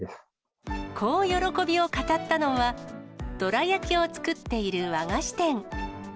こう喜びを語ったのは、どら焼きを作っている和菓子店。